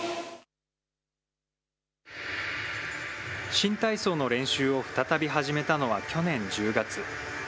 新体操の練習を再び始めたのは去年１０月。